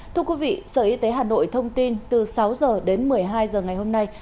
thưa quý vị sở y tế hà nội thông tin từ sáu h đến một mươi hai h ngày hôm nay